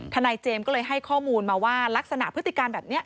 ทนายเจมส์ก็เลยให้ข้อมูลมาว่าลักษณะพฤติการแบบนี้